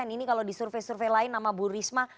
ini kalau di survei survei lain nama bu risma